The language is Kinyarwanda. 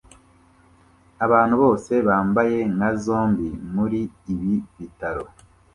Abantu bose bambaye nka zombie muri ibi birori